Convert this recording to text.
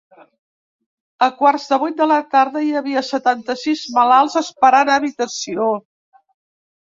A quarts de vuit de la tarda hi havia setanta-sis malalts esperant habitació.